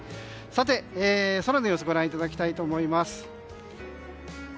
さて、空の様子をご覧いただきたいと思います。